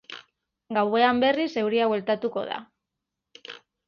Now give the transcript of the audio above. Gauean berriz euria bueltatuko da.